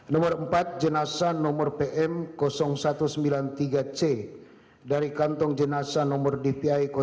nomor empat jenasa nomor pm satu ratus sembilan puluh tiga c dari kantong jenazah nomor dvi